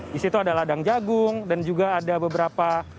di situ ada ladang jagung dan juga ada beberapa